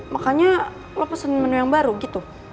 makanya lo pesen menu yang baru gitu